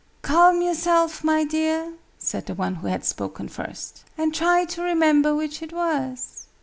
"Calm yourself, my dear," said the one who had spoken first, "and try to remember which it was.